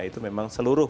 itu memang seluruh